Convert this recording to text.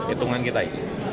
itu yang kita inginkan